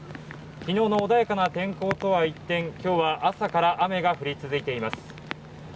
昨日の穏やかな天候とは一転今日は朝から雨が降り続いています